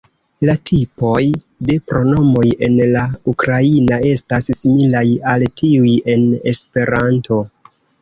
La tipoj de pronomoj en la ukraina estas similaj al tiuj en esperanto.